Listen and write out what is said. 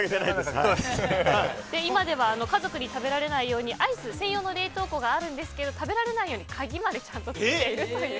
今では家族に食べられないようにアイス専用の冷凍庫があるんですが食べられないように鍵までちゃんとつけているという。